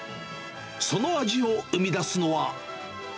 その味を生み出すのは。